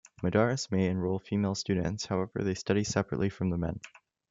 Madaris may enroll female students; however, they study separately from the men.